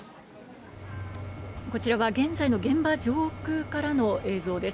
こちらは現在の現場上空からの映像です。